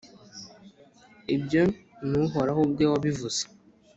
Ibyo ni Uhoraho ubwe wabivuze.